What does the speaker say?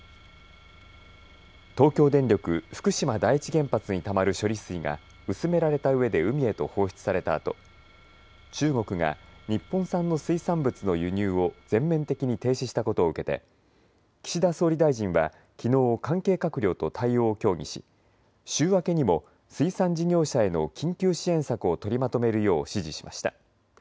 東京電力福島第一原発にたまる処理水が薄められたうえで海へと放出されたあと中国が日本産の水産物の輸入を全面的に停止したことを受けて岸田総理大臣はきのう関係閣僚と対応を協議し、週明けにも水産事業者への緊急支援策を取りまとめるよう指示しました。